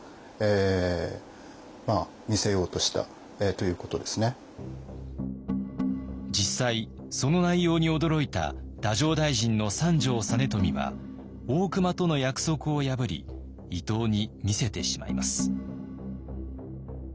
大隈はこれが他の参議に実際その内容に驚いた太政大臣の三条実美は大隈との約束を破り伊藤に見せてしまいます。